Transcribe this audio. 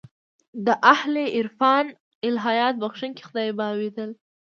د اهل عرفان الهیات بخښونکی خدای بابېدل.